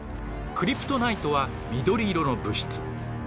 クリプトナイトは緑色の物質。